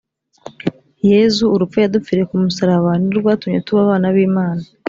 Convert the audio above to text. yezu urupfu yadupfiriye ku musaraba nirwo rwatumye tuba abana b’ imana